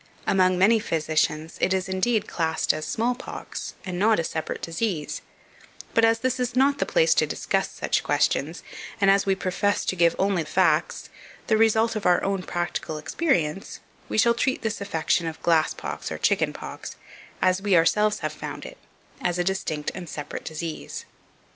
Among many physicians it is, indeed, classed as small pox, and not a separate disease; but as this is not the place to discuss such questions, and as we profess to give only facts, the result of our own practical experience, we shall treat this affection of glass pox or chicken pox, as we ourselves have found it, as a distinct and separate disease.